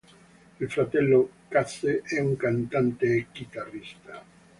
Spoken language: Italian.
Il fratello Chase è un cantante e chitarrista.